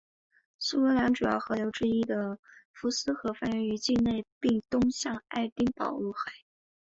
苏格兰主要河流之一的福斯河发源于境内并东向爱丁堡入海。